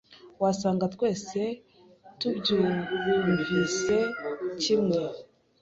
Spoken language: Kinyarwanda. wasanga twese tubyumvise kimwe